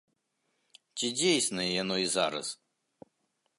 Ці дзейснае яно і зараз?